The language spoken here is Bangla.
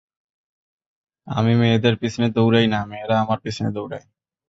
আমি মেয়েদের পিছনে দৌড়ায় না মেয়েরা আমার পিছনে দৌড়ায়।